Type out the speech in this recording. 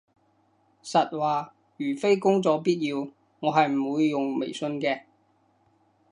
實話，如非工作必要，我係唔會用微信嘅